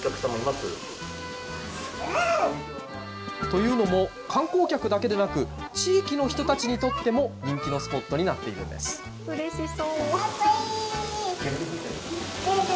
というのも、観光客だけでなく、地域の人たちにとっても人気のスポットになっうれしそう。